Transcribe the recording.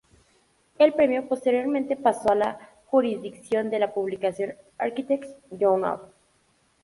El premio posteriormente pasó a la jurisdicción de la publicación Architects' Journal".